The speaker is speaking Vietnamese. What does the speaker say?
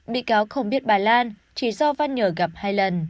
bị cáo không biết bà lan chỉ do văn nhờ gặp hai lần